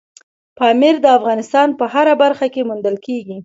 پامیر د افغانستان په هره برخه کې موندل کېږي.